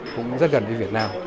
cũng rất gần với việt nam